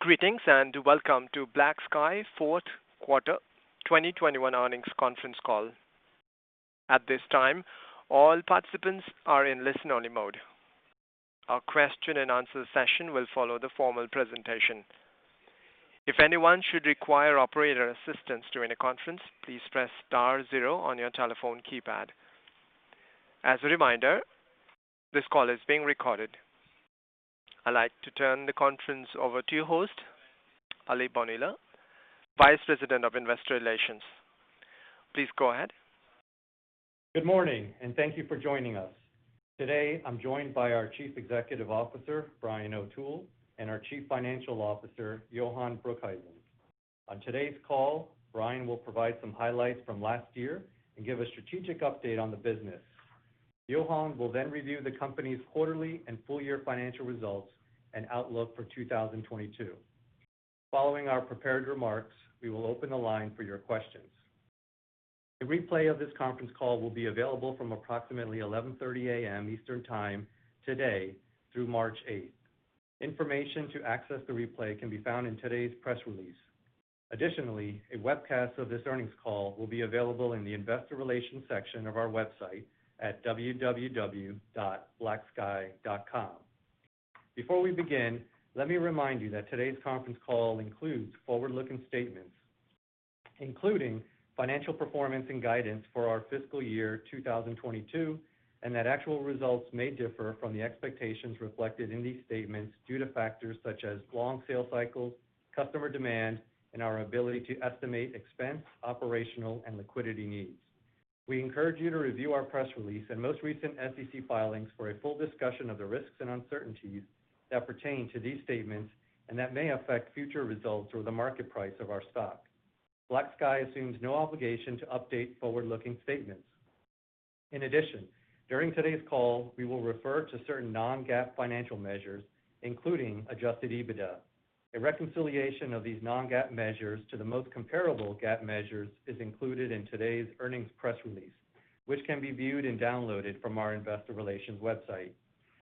Greetings, and welcome to BlackSky fourth quarter 2021 earnings conference call. At this time, all participants are in listen-only mode. A question-and-answer session will follow the formal presentation. If anyone should require operator assistance during the conference, please press star zero on your telephone keypad. As a reminder, this call is being recorded. I'd like to turn the conference over to your host, Aly Bonilla, Vice President of Investor Relations. Please go ahead. Good morning, and thank you for joining us. Today, I'm joined by our Chief Executive Officer, Brian O'Toole, and our Chief Financial Officer, Johan Broekhuysen. On today's call, Brian will provide some highlights from last year and give a strategic update on the business. Johan will then review the company's quarterly and full year financial results and outlook for 2022. Following our prepared remarks, we will open the line for your questions. A replay of this conference call will be available from approximately 11:30 A.M. Eastern Time today through March 8th. Information to access the replay can be found in today's press release. Additionally, a webcast of this earnings call will be available in the investor relations section of our website at www.blacksky.com. Before we begin, let me remind you that today's conference call includes forward-looking statements, including financial performance and guidance for our fiscal year 2022, and that actual results may differ from the expectations reflected in these statements due to factors such as long sales cycles, customer demand, and our ability to estimate expense, operational, and liquidity needs. We encourage you to review our press release and most recent SEC filings for a full discussion of the risks and uncertainties that pertain to these statements and that may affect future results or the market price of our stock. BlackSky assumes no obligation to update forward-looking statements. In addition, during today's call, we will refer to certain non-GAAP financial measures, including adjusted EBITDA. A reconciliation of these non-GAAP measures to the most comparable GAAP measures is included in today's earnings press release, which can be viewed and downloaded from our investor relations website.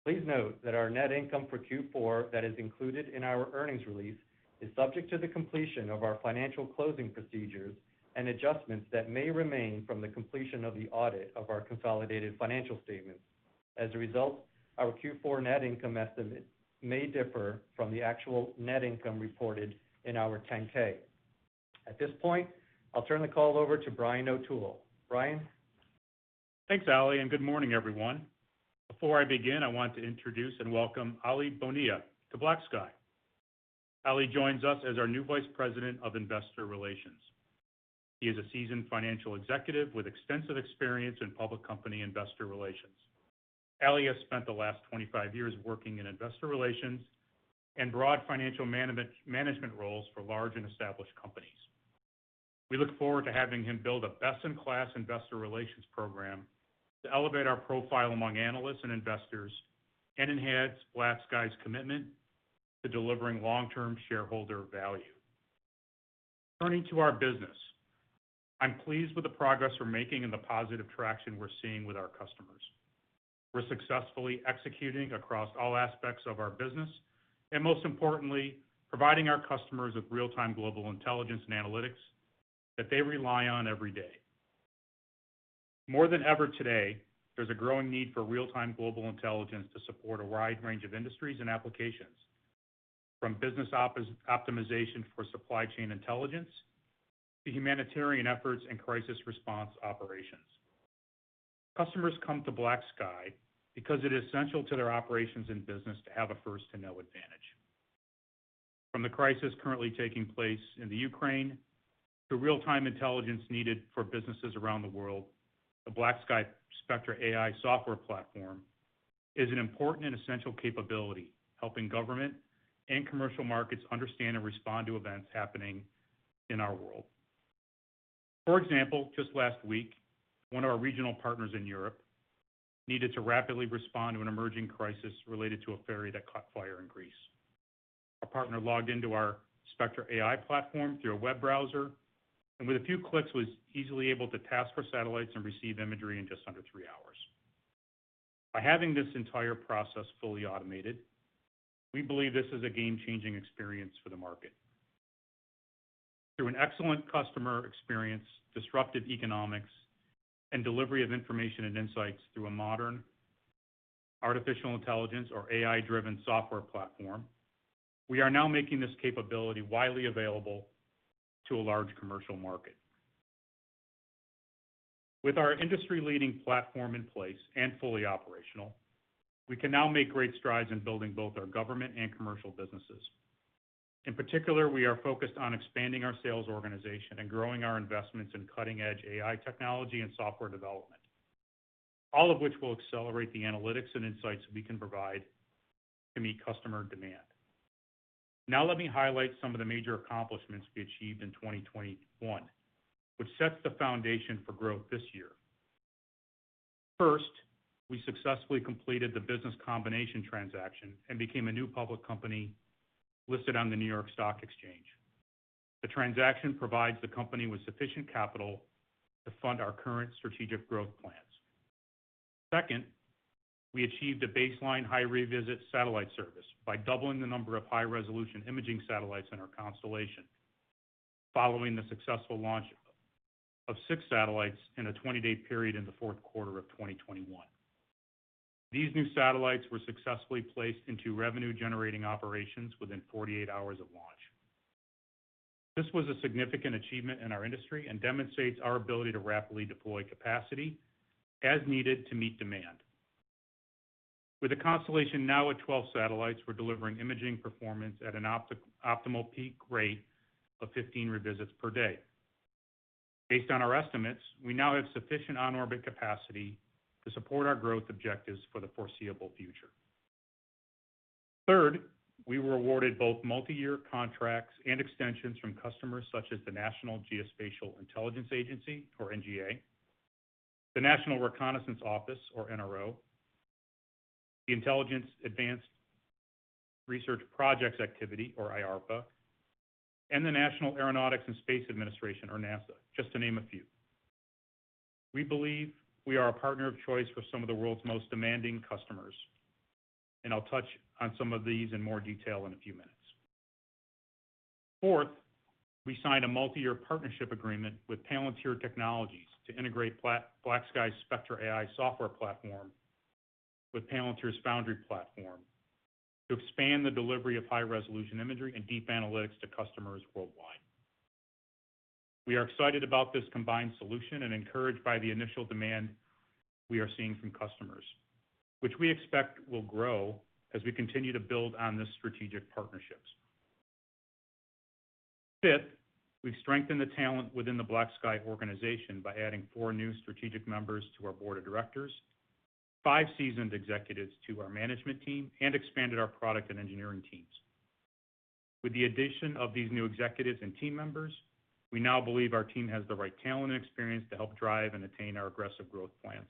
Please note that our net income for Q4 that is included in our earnings release is subject to the completion of our financial closing procedures and adjustments that may remain from the completion of the audit of our consolidated financial statements. As a result, our Q4 net income estimate may differ from the actual net income reported in our 10-K. At this point, I'll turn the call over to Brian O'Toole. Brian. Thanks, Aly, and good morning, everyone. Before I begin, I want to introduce and welcome Aly Bonilla to BlackSky. Aly joins us as our new Vice President of Investor Relations. He is a seasoned financial executive with extensive experience in public company investor relations. Aly has spent the last 25 years working in investor relations and broad financial management roles for large and established companies. We look forward to having him build a best-in-class investor relations program to elevate our profile among analysts and investors and enhance BlackSky's commitment to delivering long-term shareholder value. Turning to our business, I'm pleased with the progress we're making and the positive traction we're seeing with our customers. We're successfully executing across all aspects of our business and, most importantly, providing our customers with real-time global intelligence and analytics that they rely on every day. More than ever today, there's a growing need for real-time global intelligence to support a wide range of industries and applications, from business optimization for supply chain intelligence to humanitarian efforts and crisis response operations. Customers come to BlackSky because it is essential to their operations and business to have a first-to-know advantage. From the crisis currently taking place in the Ukraine to real-time intelligence needed for businesses around the world, the BlackSky Spectra AI software platform is an important and essential capability, helping government and commercial markets understand and respond to events happening in our world. For example, just last week, one of our regional partners in Europe needed to rapidly respond to an emerging crisis related to a ferry that caught fire in Greece. Our partner logged into our Spectra AI platform through a web browser, and with a few clicks, was easily able to task for satellites and receive imagery in just under three hours. By having this entire process fully automated, we believe this is a game-changing experience for the market. Through an excellent customer experience, disruptive economics, and delivery of information and insights through a modern artificial intelligence or AI-driven software platform, we are now making this capability widely available to a large commercial market. With our industry-leading platform in place and fully operational, we can now make great strides in building both our government and commercial businesses. In particular, we are focused on expanding our sales organization and growing our investments in cutting-edge AI technology and software development. All of which will accelerate the analytics and insights we can provide to meet customer demand. Now let me highlight some of the major accomplishments we achieved in 2021, which sets the foundation for growth this year. First, we successfully completed the business combination transaction and became a new public company listed on the New York Stock Exchange. The transaction provides the company with sufficient capital to fund our current strategic growth plans. Second, we achieved a baseline high revisit satellite service by doubling the number of high-resolution imaging satellites in our constellation following the successful launch of six satellites in a 20-day period in the fourth quarter of 2021. These new satellites were successfully placed into revenue-generating operations within 48 hours of launch. This was a significant achievement in our industry and demonstrates our ability to rapidly deploy capacity as needed to meet demand. With a constellation now at 12 satellites, we're delivering imaging performance at an optimal peak rate of 15 revisits per day. Based on our estimates, we now have sufficient on-orbit capacity to support our growth objectives for the foreseeable future. Third, we were awarded both multi-year contracts and extensions from customers such as the National Geospatial-Intelligence Agency, or NGA, the National Reconnaissance Office, or NRO, the Intelligence Advanced Research Projects Activity, or IARPA, and the National Aeronautics and Space Administration, or NASA, just to name a few. We believe we are a partner of choice for some of the world's most demanding customers, and I'll touch on some of these in more detail in a few minutes. Fourth, we signed a multi-year partnership agreement with Palantir Technologies to integrate BlackSky's Spectra AI software platform with Palantir's Foundry platform to expand the delivery of high-resolution imagery and deep analytics to customers worldwide. We are excited about this combined solution and encouraged by the initial demand we are seeing from customers, which we expect will grow as we continue to build on these strategic partnerships. Fifth, we've strengthened the talent within the BlackSky organization by adding four new strategic members to our Board of Directors, five seasoned executives to our management team, and expanded our product and engineering teams. With the addition of these new executives and team members, we now believe our team has the right talent and experience to help drive and attain our aggressive growth plans.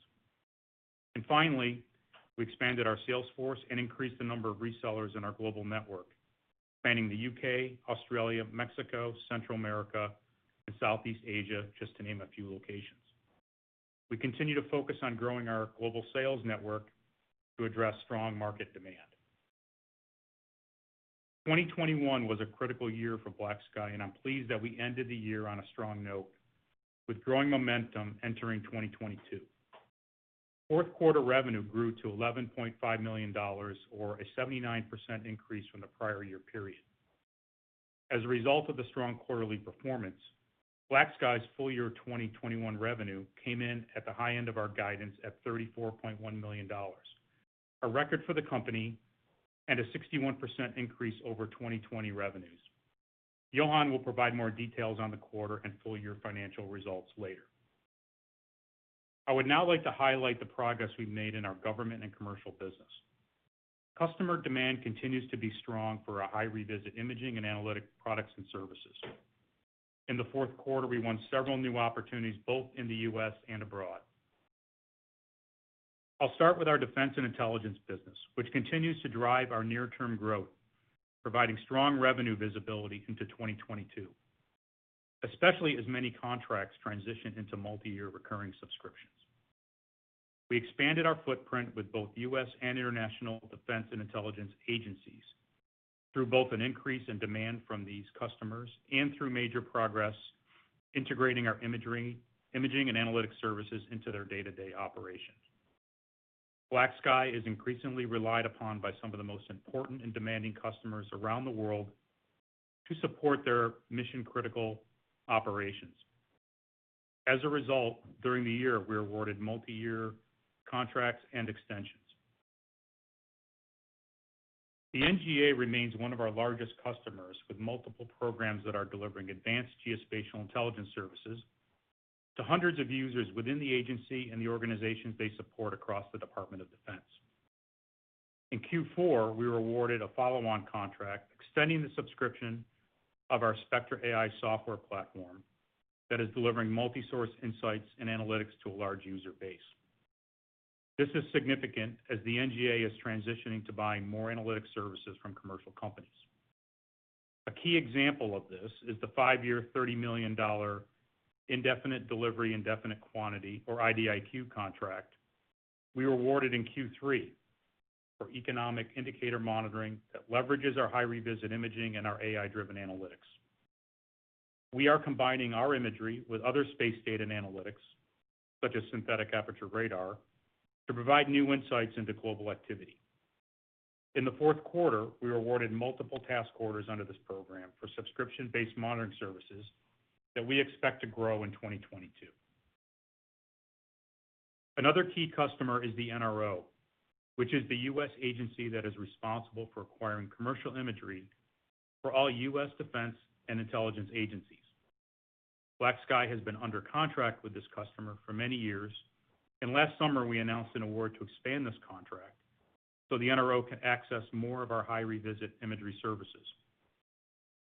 Finally, we expanded our sales force and increased the number of resellers in our global network, spanning the U.K., Australia, Mexico, Central America, and Southeast Asia, just to name a few locations. We continue to focus on growing our global sales network to address strong market demand. 2021 was a critical year for BlackSky, and I'm pleased that we ended the year on a strong note with growing momentum entering 2022. Fourth quarter revenue grew to $11.5 million or a 79% increase from the prior year period. As a result of the strong quarterly performance, BlackSky's full year 2021 revenue came in at the high end of our guidance at $34.1 million, a record for the company and a 61% increase over 2020 revenues. Johan will provide more details on the quarter and full year financial results later. I would now like to highlight the progress we've made in our government and commercial business. Customer demand continues to be strong for our high revisit imaging and analytic products and services. In the fourth quarter, we won several new opportunities both in the U.S. and abroad. I'll start with our defense and intelligence business, which continues to drive our near-term growth, providing strong revenue visibility into 2022, especially as many contracts transition into multi-year recurring subscriptions. We expanded our footprint with both U.S. and international defense and intelligence agencies through both an increase in demand from these customers and through major progress integrating our imagery, imaging and analytics services into their day-to-day operations. BlackSky is increasingly relied upon by some of the most important and demanding customers around the world to support their mission-critical operations. As a result, during the year, we awarded multi-year contracts and extensions. The NGA remains one of our largest customers, with multiple programs that are delivering advanced geospatial intelligence services to hundreds of users within the agency and the organizations they support across the Department of Defense. In Q4, we were awarded a follow-on contract extending the subscription of our Spectra AI software platform that is delivering multi-source insights and analytics to a large user base. This is significant as the NGA is transitioning to buying more analytics services from commercial companies. A key example of this is the five-year, $30 million Indefinite Delivery, Indefinite Quantity, or IDIQ contract we were awarded in Q3 for economic indicator monitoring that leverages our high revisit imaging and our AI-driven analytics. We are combining our imagery with other space data and analytics, such as synthetic aperture radar, to provide new insights into global activity. In the fourth quarter, we were awarded multiple task orders under this program for subscription-based monitoring services that we expect to grow in 2022. Another key customer is the NRO, which is the U.S. agency that is responsible for acquiring commercial imagery for all U.S. defense and intelligence agencies. BlackSky has been under contract with this customer for many years. Last summer, we announced an award to expand this contract so the NRO can access more of our high revisit imagery services.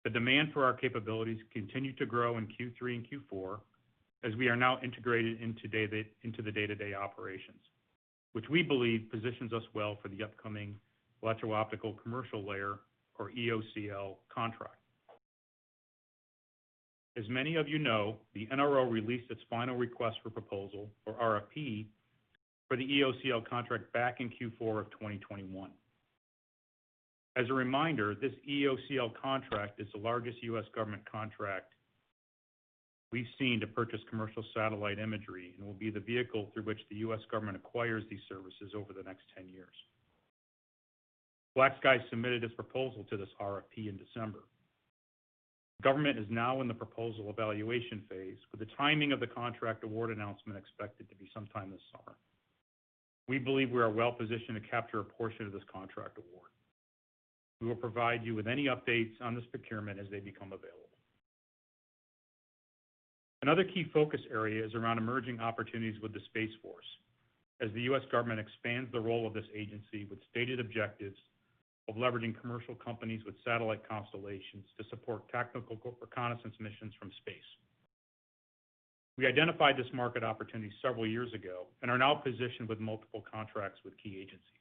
The demand for our capabilities continued to grow in Q3 and Q4 as we are now integrated into the day-to-day operations, which we believe positions us well for the upcoming Electro-Optical Commercial Layer, or EOCL contract. As many of you know, the NRO released its final request for proposal, or RFP, for the EOCL contract back in Q4 of 2021. As a reminder, this EOCL contract is the largest U.S. government contract we've seen to purchase commercial satellite imagery and will be the vehicle through which the U.S. government acquires these services over the next 10 years. BlackSky submitted its proposal to this RFP in December. Government is now in the proposal evaluation phase with the timing of the contract award announcement expected to be sometime this summer. We believe we are well-positioned to capture a portion of this contract award. We will provide you with any updates on this procurement as they become available. Another key focus area is around emerging opportunities with the Space Force as the U.S. government expands the role of this agency with stated objectives of leveraging commercial companies with satellite constellations to support tactical reconnaissance missions from space. We identified this market opportunity several years ago and are now positioned with multiple contracts with key agencies.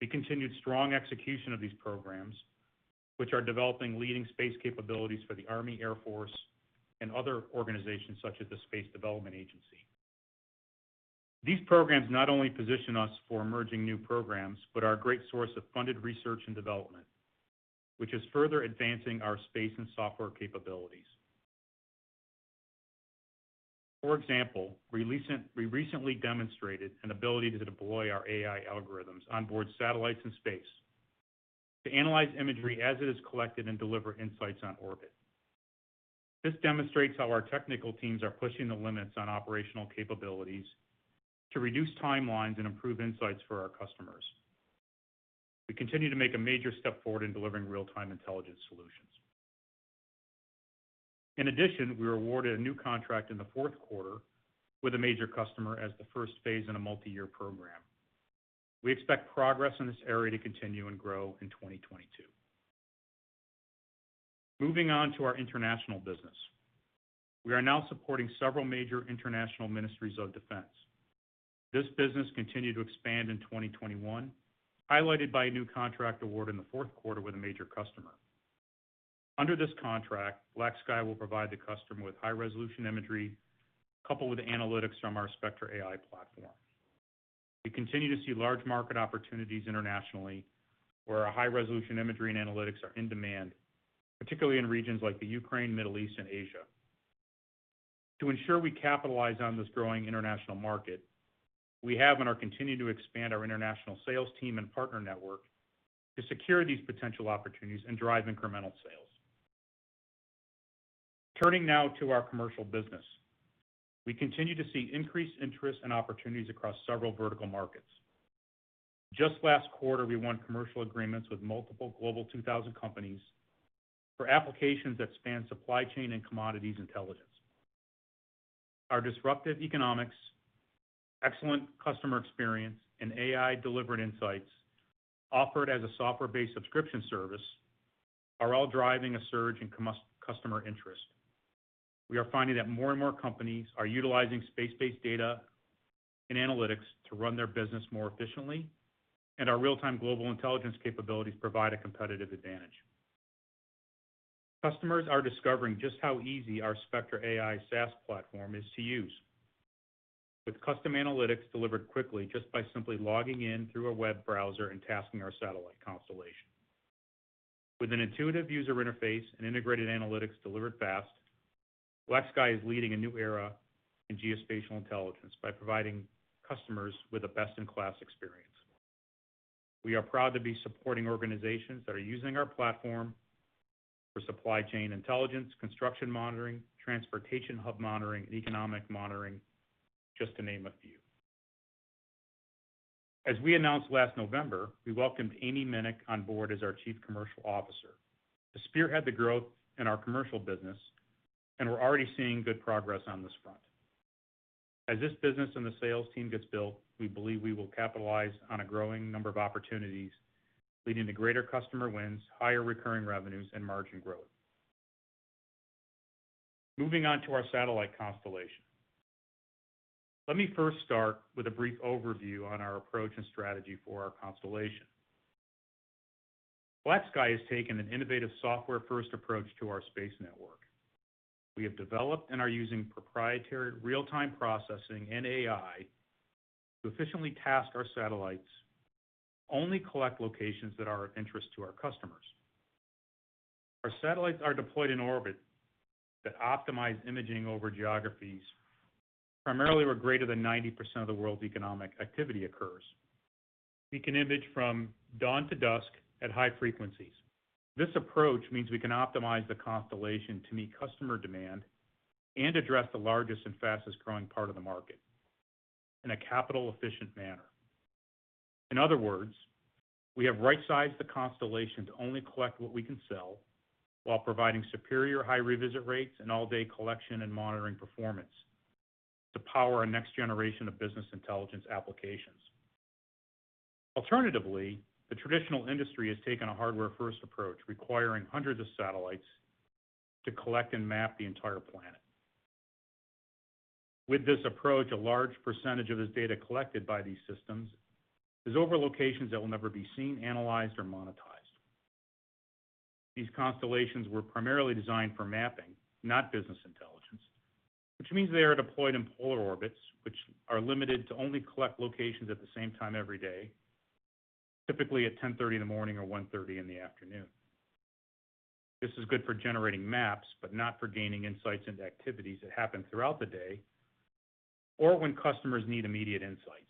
We continued strong execution of these programs, which are developing leading space capabilities for the Army, Air Force, and other organizations such as the Space Development Agency. These programs not only position us for emerging new programs, but are a great source of funded research and development, which is further advancing our space and software capabilities. For example, we recently demonstrated an ability to deploy our AI algorithms on board satellites in space to analyze imagery as it is collected and deliver insights on orbit. This demonstrates how our technical teams are pushing the limits on operational capabilities to reduce timelines and improve insights for our customers. We continue to make a major step forward in delivering real-time intelligence solutions. In addition, we were awarded a new contract in the fourth quarter with a major customer as the first phase in a multi-year program. We expect progress in this area to continue and grow in 2022. Moving on to our international business. We are now supporting several major international ministries of defense. This business continued to expand in 2021, highlighted by a new contract award in the fourth quarter with a major customer. Under this contract, BlackSky will provide the customer with high-resolution imagery coupled with analytics from our Spectra AI platform. We continue to see large market opportunities internationally where our high-resolution imagery and analytics are in demand, particularly in regions like the Ukraine, Middle East, and Asia. To ensure we capitalize on this growing international market, we have and are continuing to expand our international sales team and partner network to secure these potential opportunities and drive incremental sales. Turning now to our commercial business. We continue to see increased interest and opportunities across several vertical markets. Just last quarter, we won commercial agreements with multiple Global 2000 companies for applications that span supply chain and commodities intelligence. Our disruptive economics, excellent customer experience, and AI-delivered insights offered as a software-based subscription service are all driving a surge in customer interest. We are finding that more and more companies are utilizing space-based data and analytics to run their business more efficiently, and our real-time global intelligence capabilities provide a competitive advantage. Customers are discovering just how easy our Spectra AI SaaS platform is to use, with custom analytics delivered quickly just by simply logging in through a web browser and tasking our satellite constellation. With an intuitive user interface and integrated analytics delivered fast, BlackSky is leading a new era in geospatial intelligence by providing customers with a best-in-class experience. We are proud to be supporting organizations that are using our platform for supply chain intelligence, construction monitoring, transportation hub monitoring, and economic monitoring, just to name a few. As we announced last November, we welcomed Amy Minnick on board as our Chief Commercial Officer to spearhead the growth in our commercial business and we're already seeing good progress on this front. As this business and the sales team gets built, we believe we will capitalize on a growing number of opportunities, leading to greater customer wins, higher recurring revenues, and margin growth. Moving on to our satellite constellation. Let me first start with a brief overview on our approach and strategy for our constellation. BlackSky has taken an innovative software-first approach to our space network. We have developed and are using proprietary real-time processing and AI to efficiently task our satellites to only collect locations that are of interest to our customers. Our satellites are deployed in orbit that optimize imaging over geographies primarily where greater than 90% of the world's economic activity occurs. We can image from dawn to dusk at high frequencies. This approach means we can optimize the constellation to meet customer demand and address the largest and fastest-growing part of the market in a capital-efficient manner. In other words, we have right-sized the constellation to only collect what we can sell while providing superior high revisit rates and all-day collection and monitoring performance to power a next generation of business intelligence applications. Alternatively, the traditional industry has taken a hardware-first approach, requiring hundreds of satellites to collect and map the entire planet. With this approach, a large percentage of this data collected by these systems is over locations that will never be seen, analyzed, or monetized. These constellations were primarily designed for mapping, not business intelligence, which means they are deployed in polar orbits, which are limited to only collect locations at the same time every day, typically at 10:30 A.M. or 1:30 P.M. This is good for generating maps, but not for gaining insights into activities that happen throughout the day or when customers need immediate insights.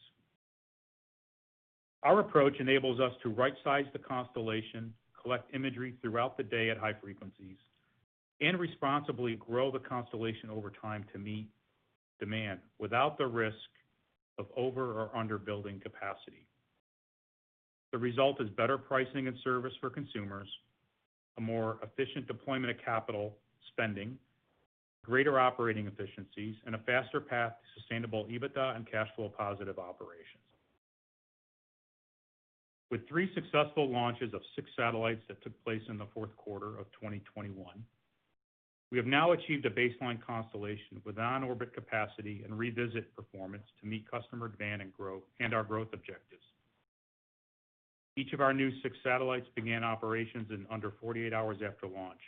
Our approach enables us to right-size the constellation, collect imagery throughout the day at high frequencies, and responsibly grow the constellation over time to meet demand without the risk of over or under-building capacity. The result is better pricing and service for consumers, a more efficient deployment of capital spending, greater operating efficiencies, and a faster path to sustainable EBITDA and cash flow-positive operations. With three successful launches of six satellites that took place in the fourth quarter of 2021, we have now achieved a baseline constellation with on-orbit capacity and revisit performance to meet customer demand and grow and our growth objectives. Each of our new six satellites began operations in under 48 hours after launch,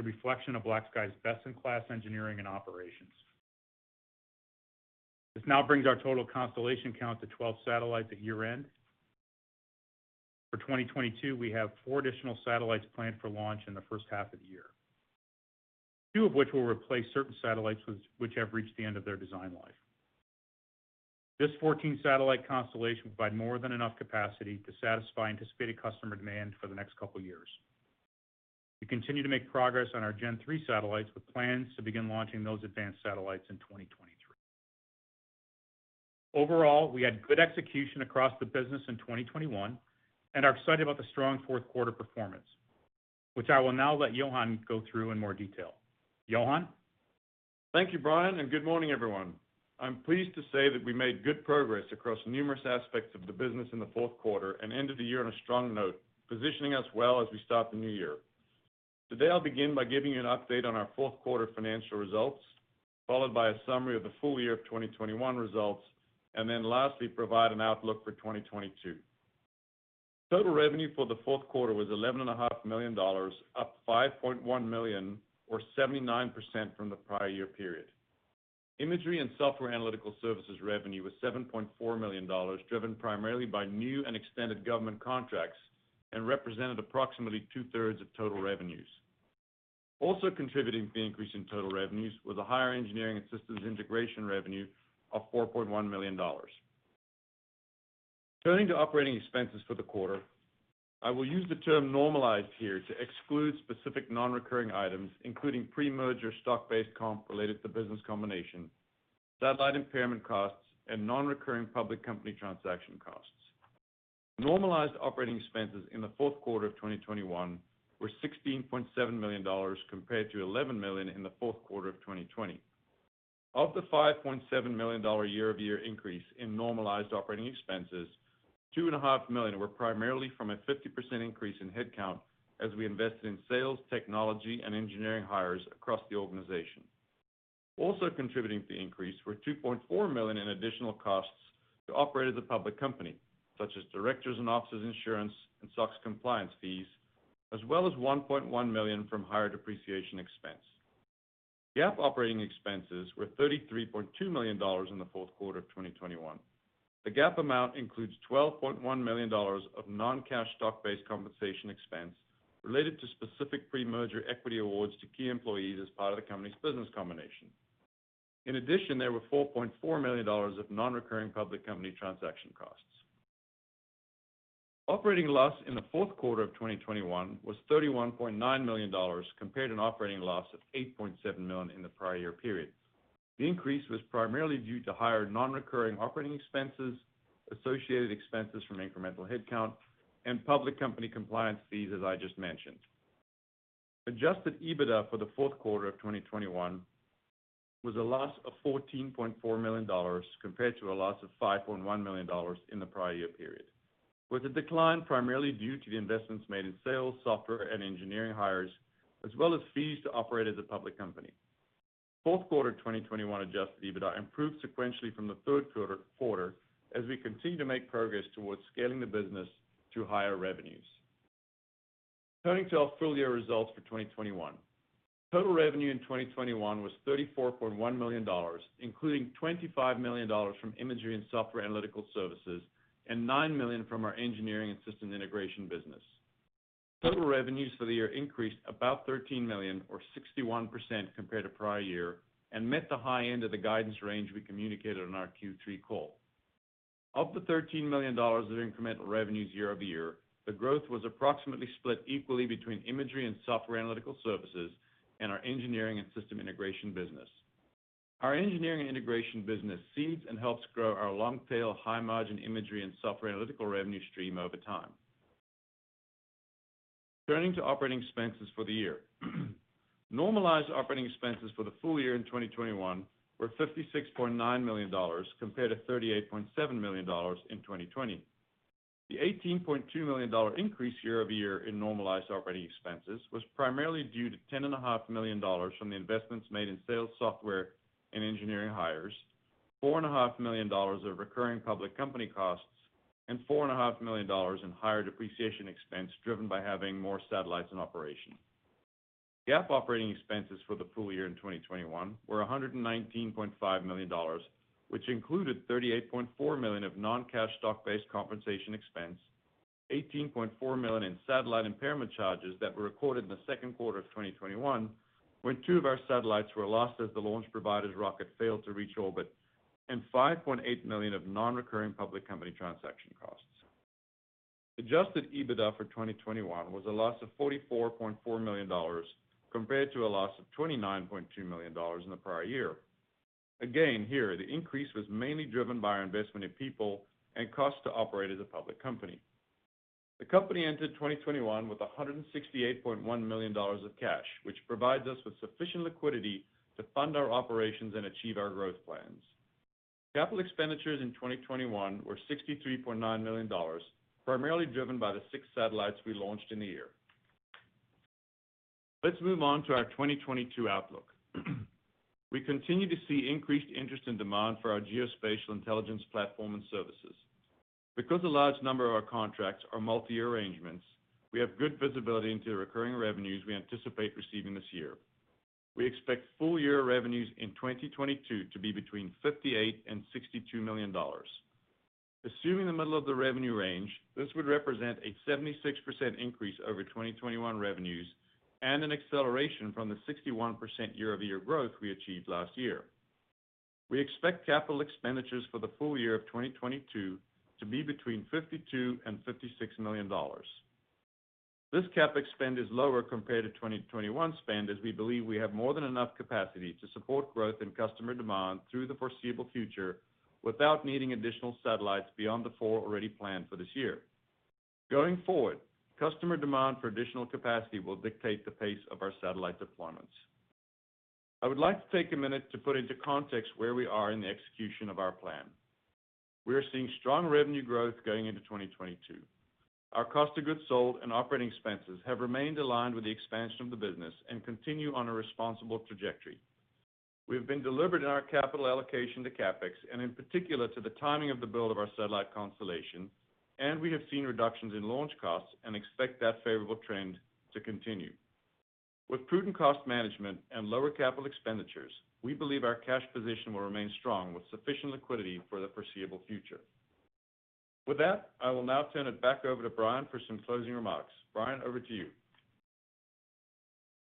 a reflection of BlackSky's best-in-class engineering and operations. This now brings our total constellation count to 12 satellites at year-end. For 2022, we have four additional satellites planned for launch in the first half of the year. Two of which will replace certain satellites which have reached the end of their design life. This 14-satellite constellation will provide more than enough capacity to satisfy anticipated customer demand for the next couple of years. We continue to make progress on our Gen-3 satellites, with plans to begin launching those advanced satellites in 2023. Overall, we had good execution across the business in 2021 and are excited about the strong fourth quarter performance, which I will now let Johan go through in more detail. Johan. Thank you, Brian, and good morning, everyone. I'm pleased to say that we made good progress across numerous aspects of the business in the fourth quarter and ended the year on a strong note, positioning us well as we start the new year. Today, I'll begin by giving you an update on our fourth quarter financial results, followed by a summary of the full year of 2021 results, and then lastly, provide an outlook for 2022. Total revenue for the fourth quarter was $11.5 million, up $5.1 million or 79% from the prior year period. Imagery and software analytical services revenue was $7.4 million, driven primarily by new and extended government contracts and represented approximately 2/3 of total revenues. Also contributing to the increase in total revenues was a higher engineering and systems integration revenue of $4.1 million. Turning to operating expenses for the quarter, I will use the term normalized here to exclude specific non-recurring items, including pre-merger stock-based comp related to business combination, satellite impairment costs, and non-recurring public company transaction costs. Normalized operating expenses in the fourth quarter of 2021 were $16.7 million compared to $11 million in the fourth quarter of 2020. Of the $5.7 million year-over-year increase in normalized operating expenses, $2.5 million were primarily from a 50% increase in headcount as we invested in sales, technology, and engineering hires across the organization. Also contributing to the increase were $2.4 million in additional costs to operate as a public company, such as directors and officers insurance and SOX compliance fees, as well as $1.1 million from higher depreciation expense. GAAP operating expenses were $33.2 million in the fourth quarter of 2021. The GAAP amount includes $12.1 million of non-cash stock-based compensation expense related to specific pre-merger equity awards to key employees as part of the company's business combination. In addition, there were $4.4 million of non-recurring public company transaction costs. Operating loss in the fourth quarter of 2021 was $31.9 million compared to an operating loss of $8.7 million in the prior year period. The increase was primarily due to higher non-recurring operating expenses, associated expenses from incremental headcount, and public company compliance fees, as I just mentioned. Adjusted EBITDA for the fourth quarter of 2021 was a loss of $14.4 million compared to a loss of $5.1 million in the prior year period, with the decline primarily due to the investments made in sales, software, and engineering hires, as well as fees to operate as a public company. Fourth quarter 2021 adjusted EBITDA improved sequentially from the third quarter as we continue to make progress towards scaling the business through higher revenues. Turning to our full year results for 2021. Total revenue in 2021 was $34.1 million, including $25 million from imagery and software analytical services and $9 million from our engineering and systems integration business. Total revenues for the year increased about $13 million or 61% compared to prior year and met the high end of the guidance range we communicated on our Q3 call. Of the $13 million of incremental revenues year-over-year, the growth was approximately split equally between imagery and software analytical services and our engineering and system integration business. Our engineering and integration business seeds and helps grow our long-tail, high-margin imagery and software analytical revenue stream over time. Turning to operating expenses for the year. Normalized operating expenses for the full year in 2021 were $56.9 million compared to $38.7 million in 2020. The $18.2 million increase year-over-year in normalized operating expenses was primarily due to $10.5 million from the investments made in sales software and engineering hires, $4.5 million of recurring public company costs, and $4.5 million in higher depreciation expense driven by having more satellites in operation. The operating expenses for the full year in 2021 were $119.5 million, which included $38.4 million of non-cash stock-based compensation expense, $18.4 million in satellite impairment charges that were recorded in the second quarter of 2021, when two of our satellites were lost as the launch provider's rocket failed to reach orbit, and $5.8 million of non-recurring public company transaction costs. Adjusted EBITDA for 2021 was a loss of $44.4 million compared to a loss of $29.2 million in the prior year. Again, here, the increase was mainly driven by our investment in people and cost to operate as a public company. The company entered 2021 with $168.1 million of cash, which provides us with sufficient liquidity to fund our operations and achieve our growth plans. Capital expenditures in 2021 were $63.9 million, primarily driven by the six satellites we launched in the year. Let's move on to our 2022 outlook. We continue to see increased interest and demand for our geospatial intelligence platform and services. Because a large number of our contracts are multi-year arrangements, we have good visibility into the recurring revenues we anticipate receiving this year. We expect full year revenues in 2022 to be between $58 million and $62 million. Assuming the middle of the revenue range, this would represent a 76% increase over 2021 revenues and an acceleration from the 61% year-over-year growth we achieved last year. We expect capital expenditures for the full year of 2022 to be between $52 million and $56 million. This CapEx spend is lower compared to 2021 spend, as we believe we have more than enough capacity to support growth in customer demand through the foreseeable future without needing additional satellites beyond the four already planned for this year. Going forward, customer demand for additional capacity will dictate the pace of our satellite deployments. I would like to take a minute to put into context where we are in the execution of our plan. We are seeing strong revenue growth going into 2022. Our cost of goods sold and operating expenses have remained aligned with the expansion of the business and continue on a responsible trajectory. We've been deliberate in our capital allocation to CapEx, and in particular to the timing of the build of our satellite constellation, and we have seen reductions in launch costs and expect that favorable trend to continue. With prudent cost management and lower capital expenditures, we believe our cash position will remain strong with sufficient liquidity for the foreseeable future. With that, I will now turn it back over to Brian for some closing remarks. Brian, over to you.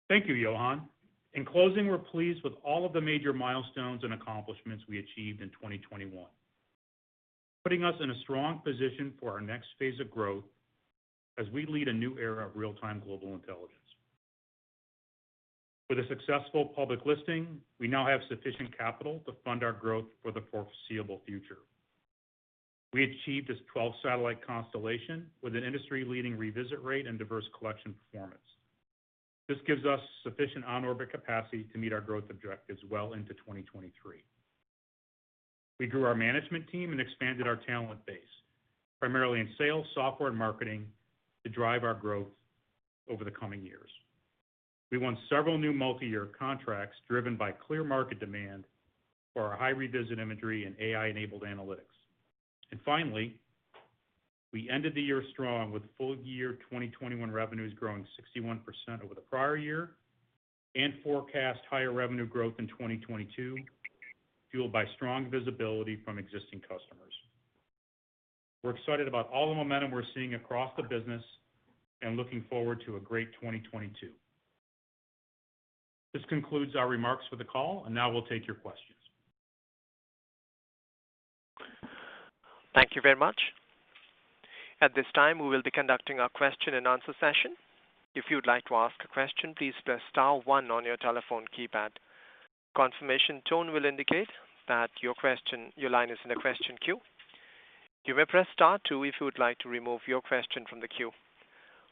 Thank you, Johan. In closing, we're pleased with all of the major milestones and accomplishments we achieved in 2021, putting us in a strong position for our next phase of growth as we lead a new era of real-time global intelligence. With a successful public listing, we now have sufficient capital to fund our growth for the foreseeable future. We achieved this 12-satellite constellation with an industry-leading revisit rate and diverse collection performance. This gives us sufficient on-orbit capacity to meet our growth objectives well into 2023. We grew our management team and expanded our talent base, primarily in sales, software, and marketing to drive our growth over the coming years. We won several new multi-year contracts driven by clear market demand for our high revisit imagery and AI-enabled analytics. Finally, we ended the year strong with full year 2021 revenues growing 61% over the prior year and we forecast higher revenue growth in 2022, fueled by strong visibility from existing customers. We're excited about all the momentum we're seeing across the business and looking forward to a great 2022. This concludes our remarks for the call, and now we'll take your questions. Thank you very much. At this time, we will be conducting our question-and-answer session. If you'd like to ask a question, please press star one on your telephone keypad. Confirmation tone will indicate that your question, your line is in the question queue. You may press star two if you would like to remove your question from the queue.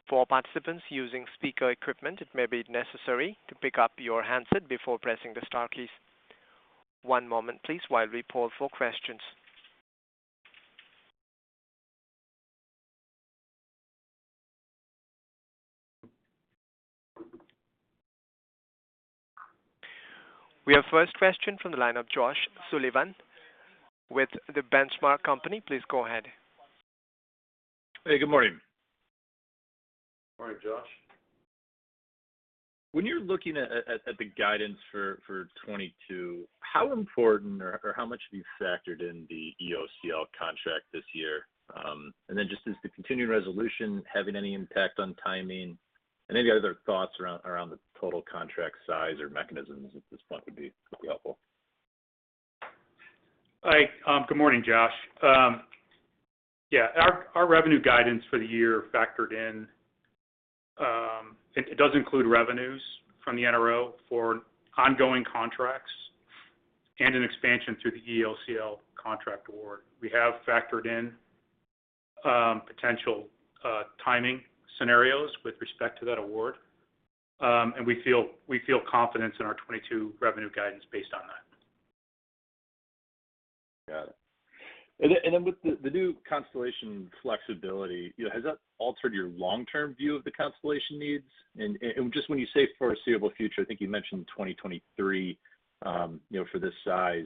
For participants using speaker equipment, it may be necessary to pick up your handset before pressing the star keys. One moment, please, while we poll for questions. We have first question from the line of Josh Sullivan with The Benchmark Company. Please go ahead. Hey, good morning. Morning, Josh. When you're looking at the guidance for 2022, how important or how much have you factored in the EOCL contract this year? Just, is the continuing resolution having any impact on timing? Any of the other thoughts around the total contract size or mechanisms at this point would be helpful. Hi. Good morning, Josh. Yeah, our revenue guidance for the year factored in. It does include revenues from the NRO for ongoing contracts and an expansion through the EOCL contract award. We have factored in potential timing scenarios with respect to that award, and we feel confidence in our 2022 revenue guidance based on that. Got it. With the new constellation flexibility, you know, has that altered your long-term view of the constellation needs? Just when you say foreseeable future, I think you mentioned 2023, you know, for this size.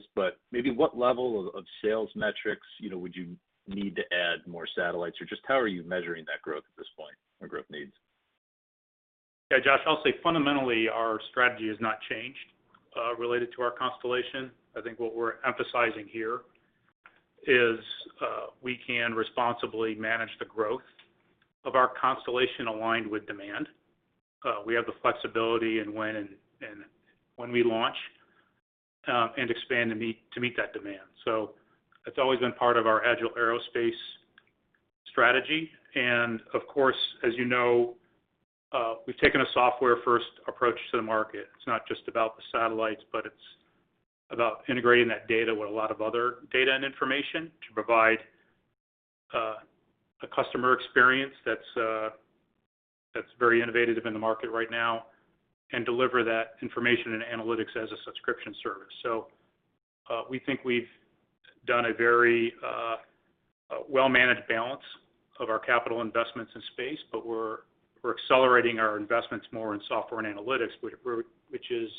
Maybe what level of sales metrics, you know, would you need to add more satellites? Or just how are you measuring that growth at this point or growth needs? Yeah, Josh, I'll say fundamentally, our strategy has not changed, related to our constellation. I think what we're emphasizing here is, we can responsibly manage the growth of our constellation aligned with demand. We have the flexibility in when and when we launch, and expand to meet that demand. That's always been part of our agile aerospace strategy. Of course, as you know, we've taken a software-first approach to the market. It's not just about the satellites, but it's about integrating that data with a lot of other data and information to provide a customer experience that's very innovative in the market right now and deliver that information and analytics as a subscription service. We think we've done a very well-managed balance of our capital investments in space, but we're accelerating our investments more in software and analytics, which is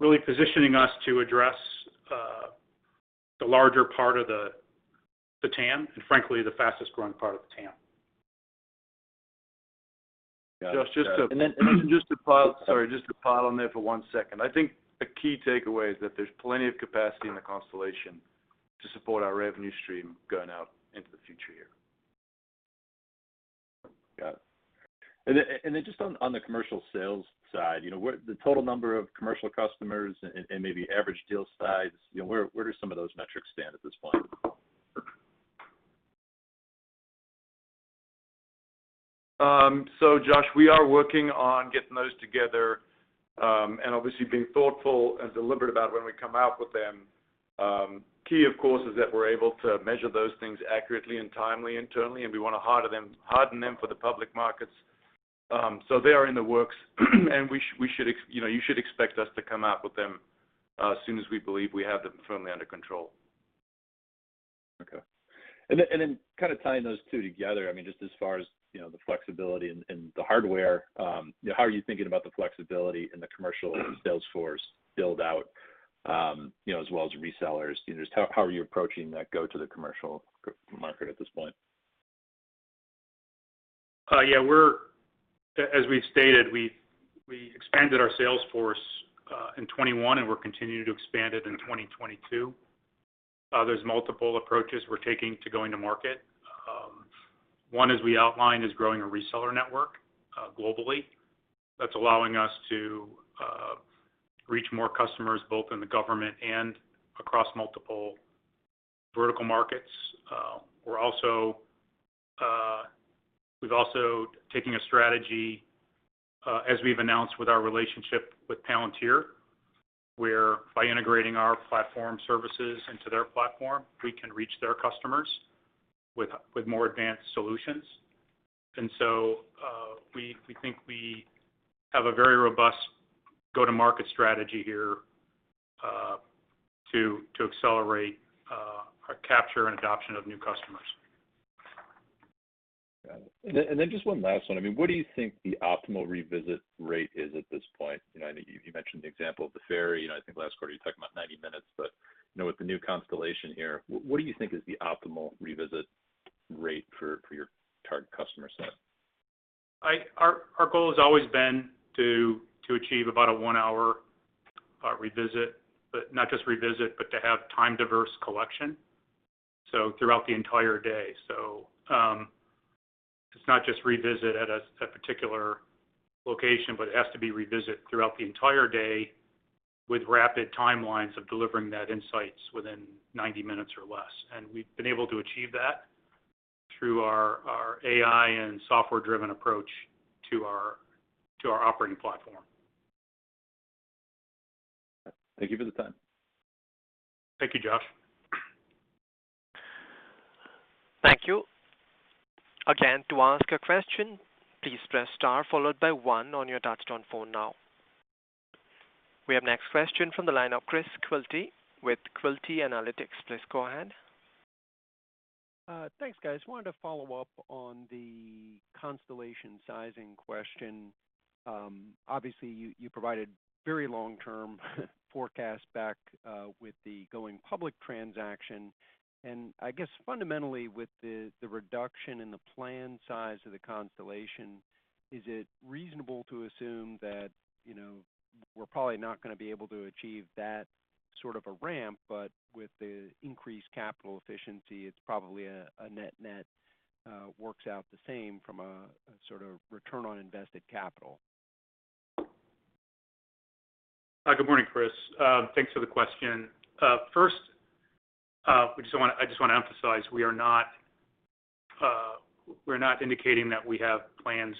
really positioning us to address the larger part of the TAM and frankly, the fastest-growing part of the TAM. Got it. Josh, just to And then- Just to pile on there for one second. I think a key takeaway is that there's plenty of capacity in the constellation to support our revenue stream going out into the future here. Got it. Just on the commercial sales side, you know, what the total number of commercial customers and maybe average deal size, you know, where do some of those metrics stand at this point? Josh, we are working on getting those together, and obviously being thoughtful and deliberate about when we come out with them. Key, of course, is that we're able to measure those things accurately and timely internally, and we wanna harden them for the public markets. They are in the works and we should, you know, you should expect us to come out with them as soon as we believe we have them firmly under control. Okay. Kind of tying those two together, I mean, just as far as, you know, the flexibility and the hardware, you know, how are you thinking about the flexibility in the commercial sales force build-out, you know, as well as resellers? You know, just how are you approaching that go-to-market at this point? As we've stated, we've expanded our sales force in 2021, and we're continuing to expand it in 2022. There's multiple approaches we're taking to go to market. One, as we outlined, is growing a reseller network globally. That's allowing us to reach more customers both in the government and across multiple vertical markets. We're also taking a strategy, as we've announced with our relationship with Palantir, whereby integrating our platform services into their platform, we can reach their customers with more advanced solutions. We think we have a very robust go-to-market strategy here to accelerate our capture and adoption of new customers. Got it. Just one last one. I mean, what do you think the optimal revisit rate is at this point? You know, I think you mentioned the example of the ferry, and I think last quarter you talked about 90 minutes. You know, with the new constellation here, what do you think is the optimal revisit rate for your target customer set? Our goal has always been to achieve about a one-hour revisit, but not just revisit, but to have time-diverse collection throughout the entire day. It's not just revisit at a particular location, but it has to be revisit throughout the entire day with rapid timelines of delivering that insights within 90 minutes or less. We've been able to achieve that through our AI and software-driven approach to our operating platform. Thank you for the time. Thank you, Josh. Thank you. Again, to ask a question, please press star followed by one on your touchtone phone now. We have next question from the line of Chris Quilty with Quilty Analytics. Please go ahead. Thanks, guys. I wanted to follow up on the constellation sizing question. Obviously, you provided very long-term forecast back with the going public transaction. I guess fundamentally with the reduction in the plan size of the constellation, is it reasonable to assume that, you know, we're probably not gonna be able to achieve that sort of a ramp, but with the increased capital efficiency, it's probably a net-net works out the same from a sort of return on invested capital? Good morning, Chris. Thanks for the question. First, I just wanna emphasize, we are not, we're not indicating that we have plans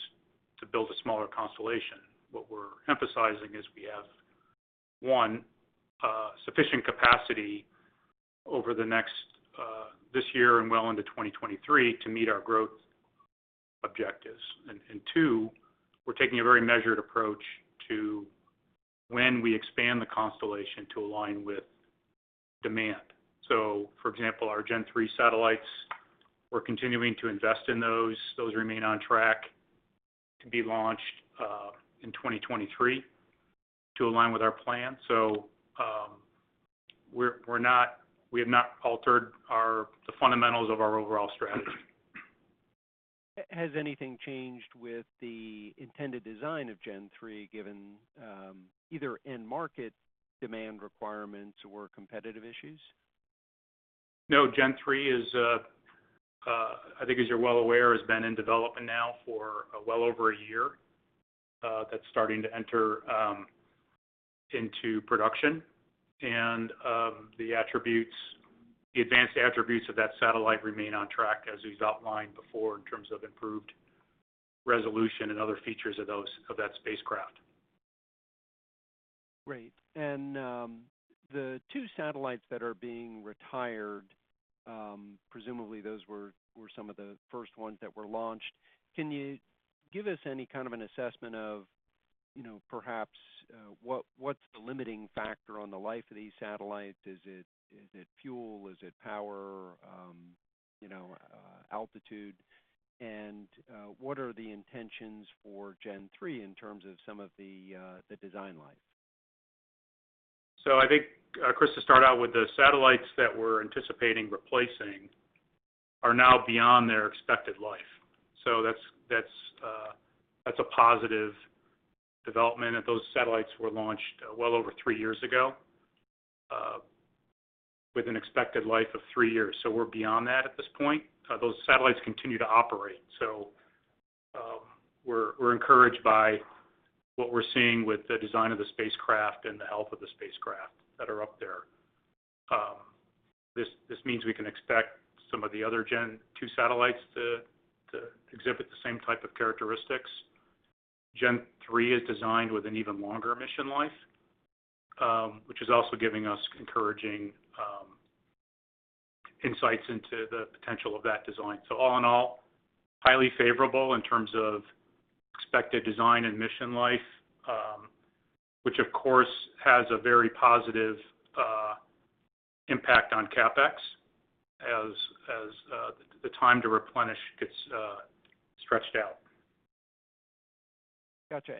to build a smaller constellation. What we're emphasizing is we have, one, sufficient capacity over the next, this year and well into 2023 to meet our growth objectives. And two, we're taking a very measured approach to when we expand the constellation to align with demand. For example, our Gen-3 satellites, we're continuing to invest in those. Those remain on track to be launched in 2023 to align with our plan. We have not altered the fundamentals of our overall strategy. Has anything changed with the intended design of Gen-3, given either end market demand requirements or competitive issues? No, Gen-3 is, I think as you're well aware, has been in development now for, well over a year. That's starting to enter into production. The attributes, the advanced attributes of that satellite remain on track as we've outlined before in terms of improved resolution and other features of those, of that spacecraft. Great. The two satellites that are being retired, presumably those were some of the first ones that were launched. Can you give us any kind of an assessment of, you know, perhaps, what’s the limiting factor on the life of these satellites? Is it fuel? Is it power? You know, altitude? What are the intentions for Gen-3 in terms of some of the design life? I think, Chris, to start out with the satellites that we're anticipating replacing are now beyond their expected life. That's a positive development, that those satellites were launched well over three years ago, with an expected life of three years. We're beyond that at this point. Those satellites continue to operate. We're encouraged by what we're seeing with the design of the spacecraft and the health of the spacecraft that are up there. This means we can expect some of the other Gen-2 satellites to exhibit the same type of characteristics. Gen-3 is designed with an even longer mission life, which is also giving us encouraging insights into the potential of that design. All in all, highly favorable in terms of expected design and mission life, which of course has a very positive impact on CapEx as the time to replenish gets stretched out. Gotcha.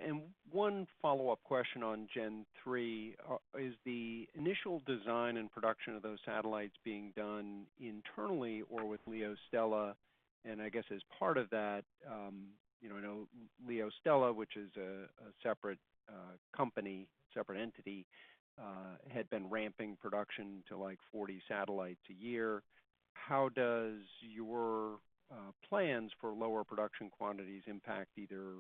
One follow-up question on Gen-3. Is the initial design and production of those satellites being done internally or with LeoStella? I guess as part of that, you know, I know LeoStella, which is a separate company, separate entity, had been ramping production to, like, 40 satellites a year. How does your plans for lower production quantities impact either,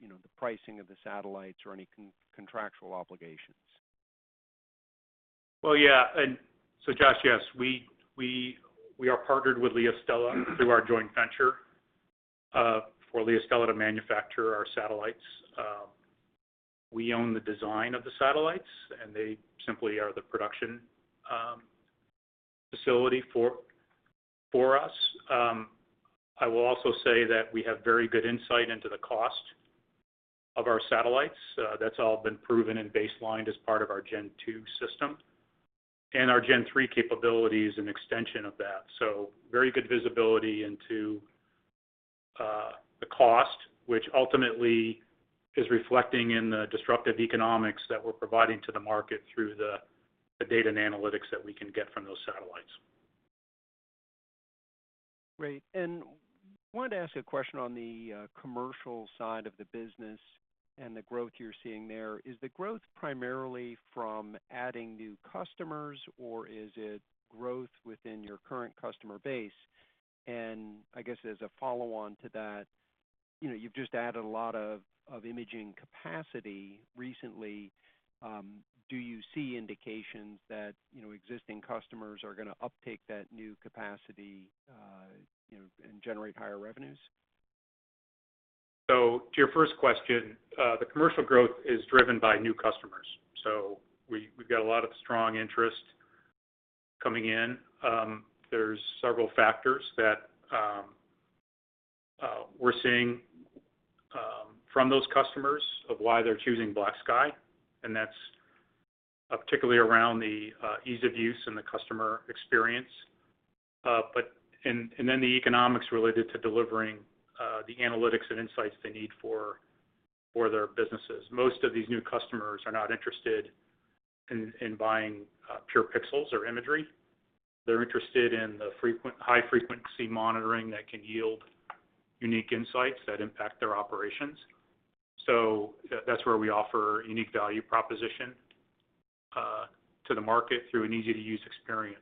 you know, the pricing of the satellites or any contractual obligations? Well, yeah. Chris, yes, we are partnered with LeoStella through our joint venture for LeoStella to manufacture our satellites. We own the design of the satellites, and they simply are the production facility for us. I will also say that we have very good insight into the cost of our satellites. That's all been proven and baselined as part of our Gen-2 system. Our Gen-3 capability is an extension of that. Very good visibility into the cost, which ultimately is reflecting in the disruptive economics that we're providing to the market through the data and analytics that we can get from those satellites. Great. Wanted to ask a question on the commercial side of the business and the growth you're seeing there. Is the growth primarily from adding new customers, or is it growth within your current customer base? I guess as a follow-on to that, you know, you've just added a lot of imaging capacity recently. Do you see indications that, you know, existing customers are gonna uptake that new capacity, you know, and generate higher revenues? To your first question, the commercial growth is driven by new customers. We've got a lot of strong interest coming in. There's several factors that we're seeing from those customers of why they're choosing BlackSky, and that's particularly around the ease of use, the customer experience, and the economics related to delivering the analytics and insights they need for their businesses. Most of these new customers are not interested in buying pure pixels or imagery. They're interested in the high-frequency monitoring that can yield unique insights that impact their operations. That's where we offer unique value proposition to the market through an easy-to-use experience.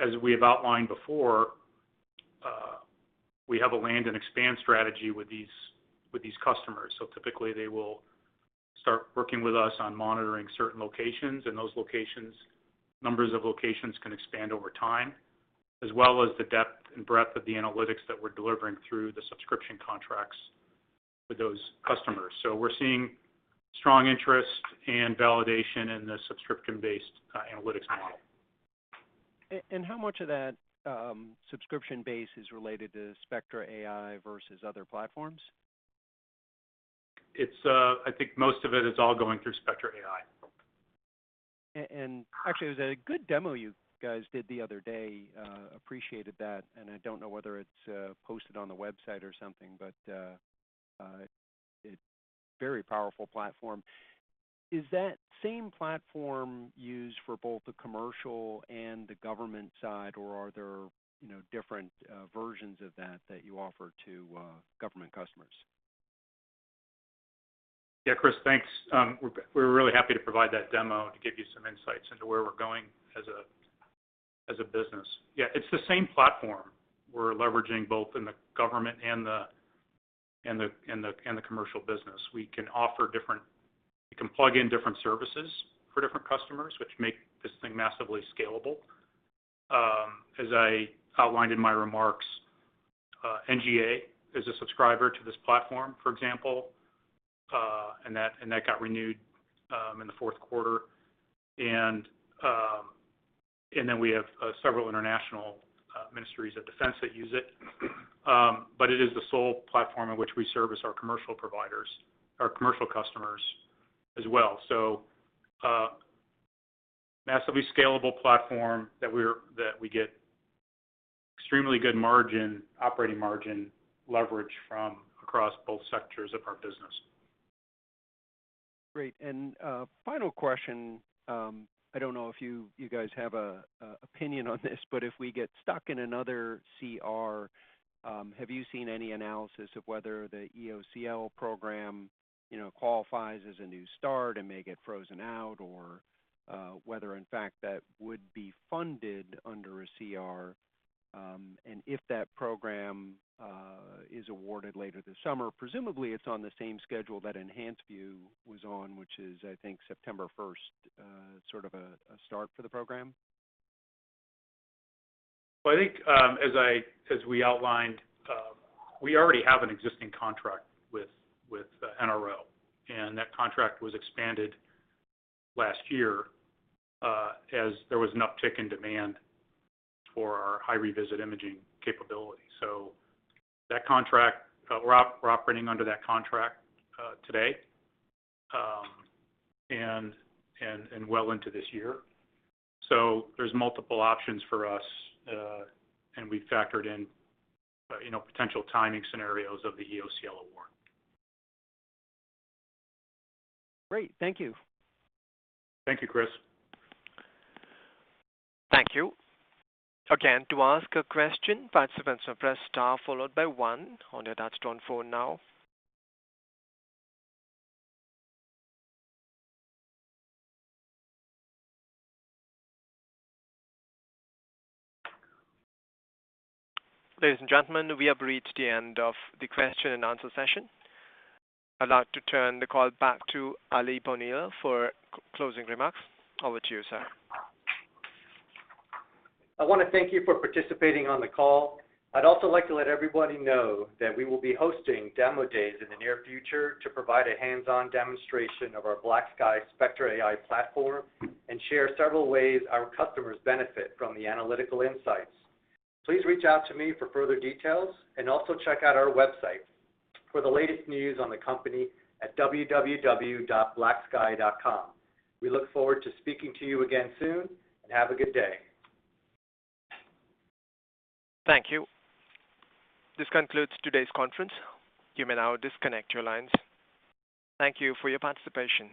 As we have outlined before, we have a land and expand strategy with these customers. Typically they will start working with us on monitoring certain locations, and those locations, numbers of locations can expand over time, as well as the depth and breadth of the analytics that we're delivering through the subscription contracts with those customers. We're seeing strong interest and validation in the subscription-based analytics model. How much of that subscription base is related to Spectra AI versus other platforms? It's, I think most of it is all going through Spectra AI. Actually, it was a good demo you guys did the other day. Appreciated that. I don't know whether it's posted on the website or something, but it's a very powerful platform. Is that same platform used for both the commercial and the government side, or are there, you know, different versions of that that you offer to government customers? Yeah, Chris, thanks. We're really happy to provide that demo to give you some insights into where we're going as a business. Yeah, it's the same platform we're leveraging both in the government and the commercial business. We can plug in different services for different customers, which make this thing massively scalable. As I outlined in my remarks, NGA is a subscriber to this platform, for example, and that got renewed in the fourth quarter. We have several international ministries of defense that use it. It is the sole platform in which we service our commercial providers, our commercial customers as well. Massively scalable platform that we get extremely good margin, operating margin leverage from across both sectors of our business. Great. Final question. I don't know if you guys have a opinion on this, but if we get stuck in another CR, have you seen any analysis of whether the EOCL program qualifies as a new start and may get frozen out? Or, whether in fact that would be funded under a CR, and if that program is awarded later this summer. Presumably, it's on the same schedule that enhanced view was on, which is I think September 1st, sort of a start for the program. Well, I think, as we outlined, we already have an existing contract with NRO, and that contract was expanded last year, as there was an uptick in demand for our high revisit imaging capability. That contract, we're operating under that contract today, and well into this year. There's multiple options for us, and we factored in, you know, potential timing scenarios of the EOCL award. Great. Thank you. Thank you, Chris. Thank you. Again, to ask a question, participants may press star followed by one on your touch-tone phone now. Ladies and gentlemen, we have reached the end of the question-and-answer session. I'd like to turn the call back to Aly Bonilla for closing remarks. Over to you, sir. I wanna thank you for participating on the call. I'd also like to let everybody know that we will be hosting demo days in the near future to provide a hands-on demonstration of our BlackSky Spectra AI platform and share several ways our customers benefit from the analytical insights. Please reach out to me for further details, and also check out our website for the latest news on the company at www.blacksky.com. We look forward to speaking to you again soon, and have a good day. Thank you. This concludes today's conference. You may now disconnect your lines. Thank you for your participation.